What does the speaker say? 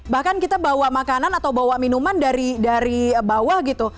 bahkan kita bawa makanan atau bawa minuman dari bawah gitu